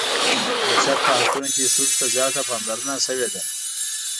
د بشر په حقونو کې ښځو ته زیاته پاملرنه شوې ده.